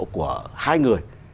của hai người